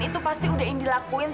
itu pasti udah indi lakuin